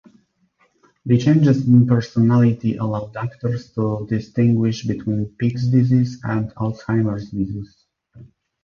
The changes in personality allow doctors to distinguish between Pick's disease and Alzheimer's disease.